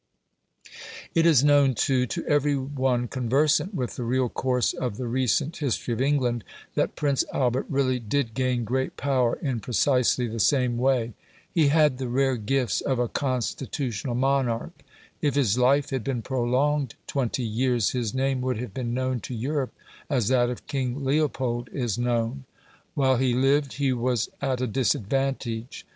It is known, too, to every one conversant with the real course of the recent history of England, that Prince Albert really did gain great power in precisely the same way. He had the rare gifts of a constitutional monarch. If his life had been prolonged twenty years, his name would have been known to Europe as that of King Leopold is known. While he lived he was at a disadvantage.